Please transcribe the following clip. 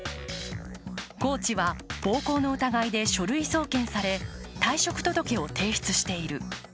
コーチは暴行の疑いで書類送検され、退職届を提出している。